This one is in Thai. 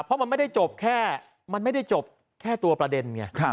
เพราะมันไม่ได้จบแค่ตัวประเด็น